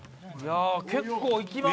結構いきました。